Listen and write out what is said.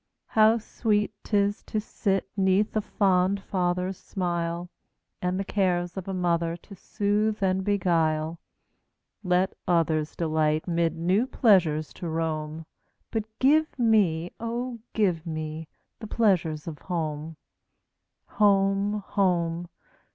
How sweet 't is to sit 'neath a fond father's smile, And the cares of a mother to soothe and beguile! Let others delight mid new pleasures to roam, But give me, oh, give me, the pleasures of home! Home! home!